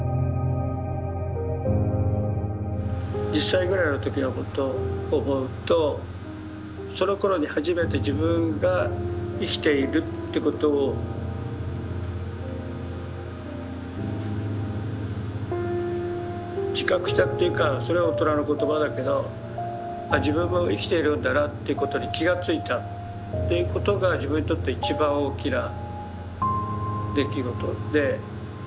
１０歳ぐらいの時のことを思うとそのころに初めて自分が生きているってことを自覚したというかそれは大人の言葉だけど自分も生きているんだなということに気が付いたということが自分にとって一番大きな出来事で。